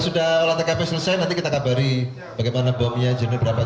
jadi maksudnya ampunan sudah masuk belum ke lokasi yang mengamarkan